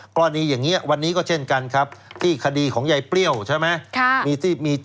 กรณีอย่างนี้วันนี้ก็เช่นกันครับที่คดีของยายเปรี้ยวใช่ไหม